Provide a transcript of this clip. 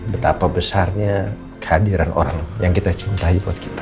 betapa besarnya kehadiran orang yang kita cintai buat kita